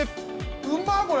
うま、これ。